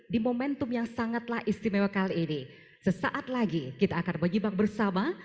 di momentum yang sangatlah istimewa kali ini sesaat lagi kita akan menyimak bersama